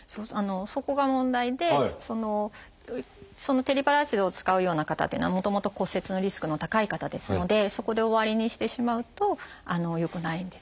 そこが問題でテリパラチドを使うような方というのはもともと骨折のリスクの高い方ですのでそこで終わりにしてしまうとよくないんですよね。